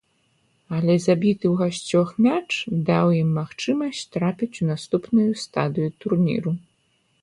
Але забіты ў гасцях мяч даў ім магчымасць трапіць у наступную стадыю турніру.